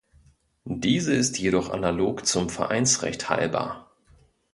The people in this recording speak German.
Diese ist jedoch analog zum Vereinsrecht heilbar.